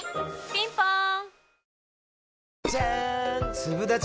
ピンポーン